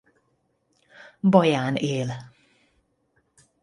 Baján él.